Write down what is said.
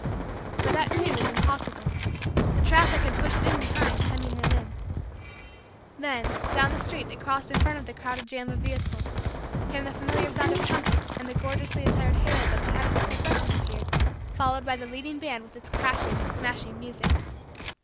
But that, too, was impossible. The traffic had pushed in behind hemming them in. Then, down the street that crossed in front of the crowded jam of vehicles, came the familiar sound of trumpets and the gorgeously attired heralds at the head of the procession appeared, followed by the leading band with its crashing, smashing, music.